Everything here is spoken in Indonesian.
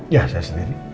ya saya sendiri